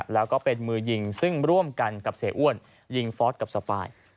แล้วก็เป็นมือยิงซึ่งร่วมกันกับเสียอ้วนยิงฟอสกับสปาย